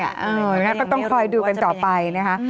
ก็ต้องคอยดูกันต่อไปนะคะ